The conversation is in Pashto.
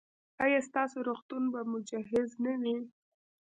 ایا ستاسو روغتون به مجهز نه وي؟